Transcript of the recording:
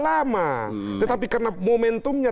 lama tetapi karena momentumnya